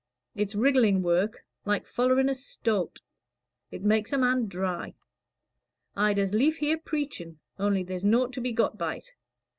"It's wriggling work like follering a stoat. It makes a man dry. I'd as lief hear preaching, on'y there's naught to be got by't.